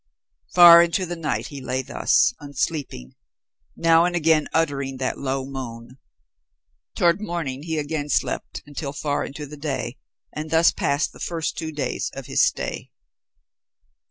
Far into the night he lay thus, unsleeping, now and again uttering that low moan. Toward morning he again slept until far into the day, and thus passed the first two days of his stay.